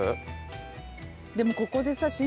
でもここでさ。